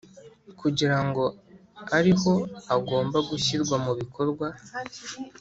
kugira ngo ariho agomba gushyirwa mu bikorwa